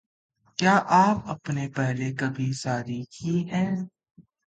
क्या आपने पहले कभी शादी की है?